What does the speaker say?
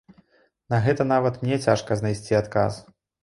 На гэта нават мне цяжка знайсці адказ.